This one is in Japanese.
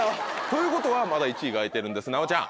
ということはまだ１位があいてるんです奈央ちゃん。